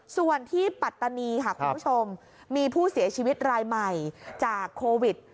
ส่วนที่ปัตตานีค่ะคุณผู้ชมมีผู้เสียชีวิตรายใหม่จากโควิด